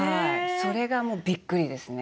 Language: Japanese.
それがもうびっくりですね。